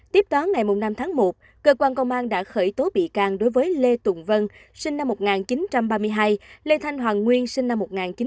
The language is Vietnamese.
tiếp đó ngày năm tháng một cơ quan công an đã khởi tố bị can đối với lê tùng vân sinh năm một nghìn chín trăm ba mươi hai lê thanh hoàng nguyên sinh năm một nghìn chín trăm tám mươi